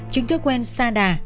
chính thức quen sa đà